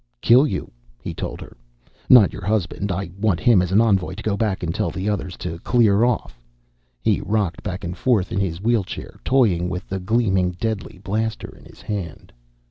"Kill you," he told her. "Not your husband. I want him as an envoy, to go back and tell the others to clear off." He rocked back and forth in his wheelchair, toying with the gleaming, deadly blaster in his hand.